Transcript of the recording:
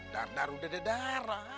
dar dar udah ada darah